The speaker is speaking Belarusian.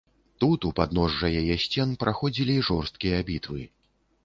Тут, у падножжа яе сцен, праходзілі жорсткія бітвы.